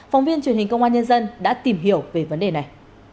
phóng viên truyền hình công an nhân dân đã tìm hiểu về vấn đề này